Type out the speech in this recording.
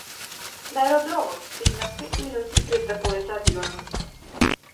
На аеродромот стигнав пет минути пред да полета авионот.